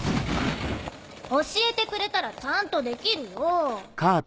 教えてくれたらちゃんとできるよ。